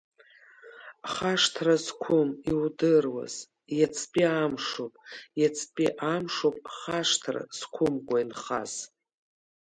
Хашҭра зқәым, иудыруаз, иацтәи амшоуп, иацтәи амшоуп хашҭра зқәымкәа инхаз!